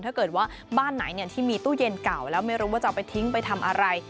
ถ้าเกิดว่าบ้านไหนที่มีตู้เย็นเก่าแล้วไม่รู้ว่าจะเอาไปทิ้งไปทำอะไร